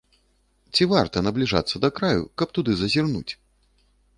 Ці варта набліжацца да краю, каб туды зазірнуць?